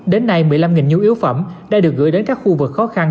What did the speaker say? đến nay một mươi năm nhu yếu phẩm đã được gửi đến các khu vực khó khăn